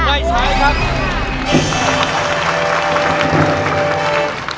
ไม่ใช้ครับ